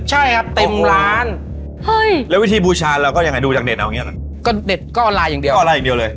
ใช่ครับเต็มร้านเฮ้ยแล้ววิธีบูชาเราก็ยังไงดูจากเน็ต